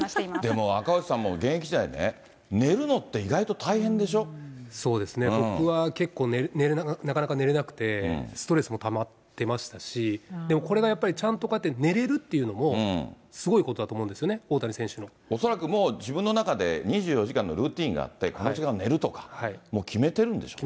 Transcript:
でも、赤星さん、現役時代ね、そうですね、僕は結構、なかなか寝れなくて、ストレスもたまってましたし、でも、これが、やっぱりちゃんとこうやって寝れるっていうのも、すごいことだと恐らく自分の中で、２４時間のルーティンがあって、この時間寝るとか、決めてるんでしょうね。